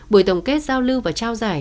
buổi tổng kết giao lưu và trao giải